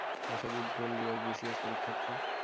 Asaduzzaman Riaz BCS পরীক্ষার্থী।